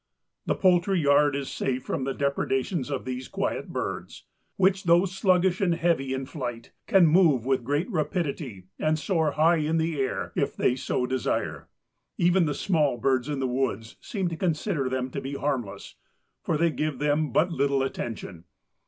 The poultry yard is safe from the depredations of these quiet birds, which, though sluggish and heavy in flight, can move with great rapidity and soar high in the air if they so desire. Even the small birds in the woods seem to consider them to be harmless, for they give them but little attention.